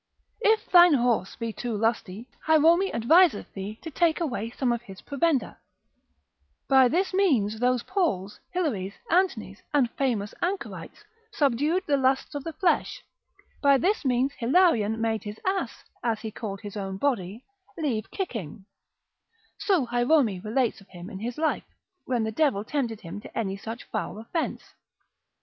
If thine horse be too lusty, Hierome adviseth thee to take away some of his provender; by this means those Pauls, Hilaries, Anthonies, and famous anchorites, subdued the lusts of the flesh; by this means Hilarion made his ass, as he called his own body, leave kicking, (so Hierome relates of him in his life) when the devil tempted him to any such foul offence.